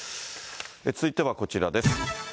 続いてはこちらです。